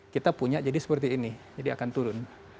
kita punya jadi seperti ini jadi akan turun